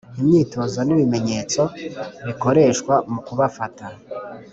Imyitozo n’ibimenyetso bikoreshwa mu kubafata